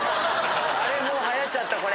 あれもう流行っちゃったこれ。